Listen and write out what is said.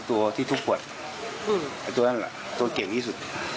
ประตูที่ทุกขวดอืมอันตรายตัวนั้นหรอกตัวเก่งที่สุด